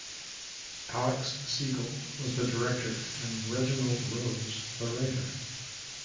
Alex Segal was the director and Reginald Rose the writer.